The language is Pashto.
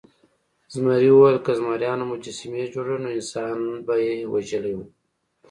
زمري وویل که زمریانو مجسمې جوړولی نو انسان به یې وژلی و.